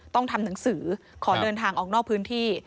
ทำหนังสือขอเดินทางออกนอกพื้นที่